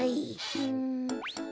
うん。